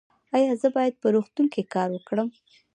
ایا زه باید په روغتون کې کار وکړم؟